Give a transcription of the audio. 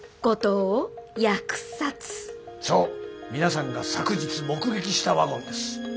そう皆さんが昨日目撃したワゴンです。